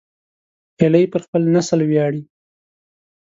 هیلۍ پر خپل نسل ویاړي